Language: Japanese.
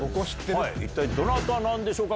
一体どの方なんでしょうか。